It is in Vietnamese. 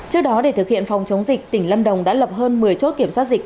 trước đó để thực hiện phòng chống dịch tỉnh lâm đồng đã lập hơn một mươi chốt kiểm soát dịch